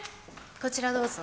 こちらどうぞ。